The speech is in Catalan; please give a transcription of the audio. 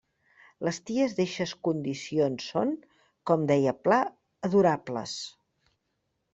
Les ties d'eixes condicions són, com deia Pla, adorables.